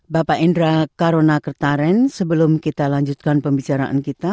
bapak indra karunakertaren sebelum kita lanjutkan pembicaraan kita